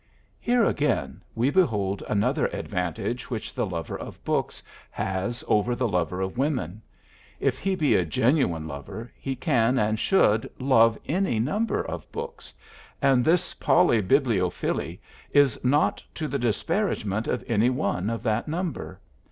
Here again we behold another advantage which the lover of books has over the lover of women. If he be a genuine lover he can and should love any number of books, and this polybibliophily is not to the disparagement of any one of that number.